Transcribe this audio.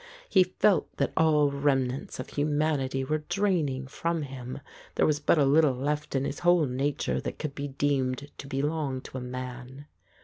He felt that all remnants of humanity were draining from him; there was but a little left in his whole nature that could be deemed to belong to a man.